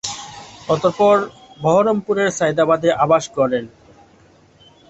অতঃপর বহরমপুরের সাঈদাবাদে আবাস গড়েন।